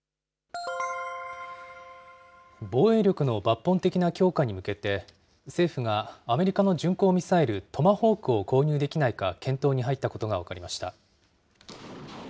防衛力の抜本的な強化に向けて、政府がアメリカの巡航ミサイル・トマホークを購入できないか、検討に入ったことが分かりました。